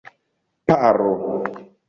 paro